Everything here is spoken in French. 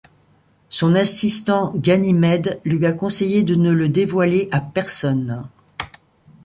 Son assistant Ganymède lui a conseillé de ne le dévoiler à personne.